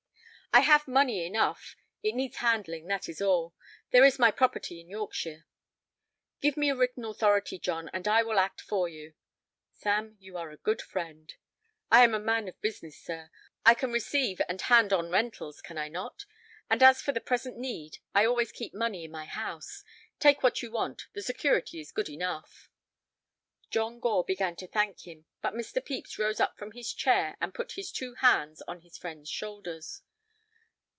"I have money enough; it needs handling, that is all. There is all my property in Yorkshire." "Give me a written authority, John, and I will act for you." "Sam, you are a friend." "I am a man of business, sir. I can receive and hand on rentals, can I not? And as for the present need, I always keep money in my house. Take what you want; the security is good enough." John Gore began to thank him, but Mr. Pepys rose up from his chair and put his two hands on his friend's shoulders.